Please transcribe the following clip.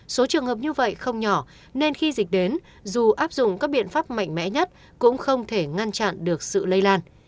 số trường hợp như vậy không nhỏ nên khi dịch đến dù áp dụng các biện pháp mạnh mẽ nhất cũng không thể ngăn chặn được sự lây lan